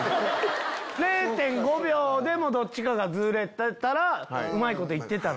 ０．５秒でもどっちかがズレてたらうまいこと行ってた。